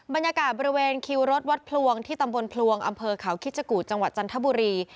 บรรยากาศบริเวณคิวรถวัดพลวงที่ตำบลพลวงอำเภอเขาคิชกุจังหวัดจันทบุรี